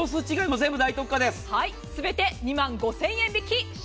全て２万５０００円引き。